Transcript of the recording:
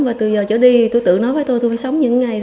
và từ giờ trở đi tôi tự nói với tôi tôi phải sống những ngày